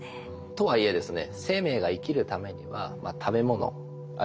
とはいえですね